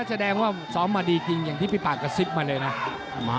แสดงว่าซ้อมมาดีจริงอย่างที่พี่ปากกระซิบมาเลยนะ